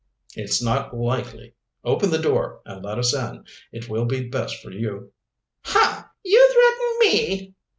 "It's not likely. Open the door and let us in it will be best for you." "Ha, you threaten me!"